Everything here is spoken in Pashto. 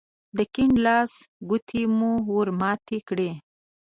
د کيڼ لاس ګوتې مو ور ماتې کړې.